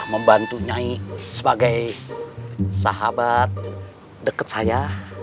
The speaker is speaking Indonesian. membantu kamu sebagai sahabat dekat saya